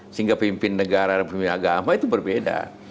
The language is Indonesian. sehingga pemimpin negara dan pemimpin agama itu berbeda